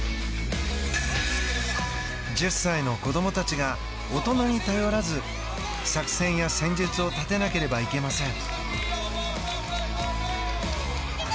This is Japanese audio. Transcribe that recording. １０歳の子供たちが大人に頼らず作戦や戦術を立てなければいけません。